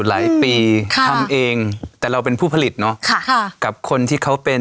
หลายปีค่ะทำเองแต่เราเป็นผู้ผลิตเนอะค่ะกับคนที่เขาเป็น